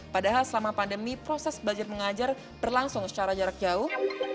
padahal selama pandemi proses belajar mengajar berlangsung secara jarak jauh